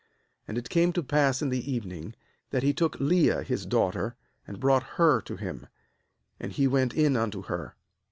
^And it came to pass in the evening, that he took Leah his daughter, and brought her to him; and he went in unto her.